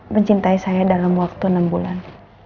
mencintai saya dalam waktu enam bulan